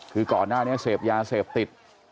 คือก่อนหน้านี้เสพยาเสพติด